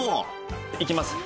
いきます。